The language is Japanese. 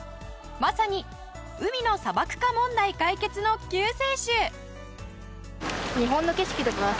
まさに海の砂漠化問題解決の救世主。